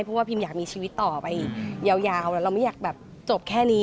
เพราะว่าพิมอยากมีชีวิตต่อไปยาวแล้วเราไม่อยากแบบจบแค่นี้